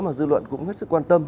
mà dư luận cũng hết sức quan tâm